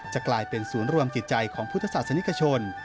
กลายเป็นศูนย์รวมจิตใจของพุทธศาสนิกชน